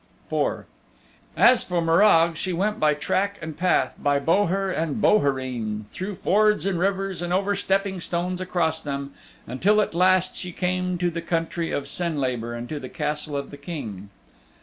IV As for Morag she went by track and path, by boher and bohereen, through fords in rivers and over stepping stones across them, until at last she came to the country of Senlabor and to the Castle of the King.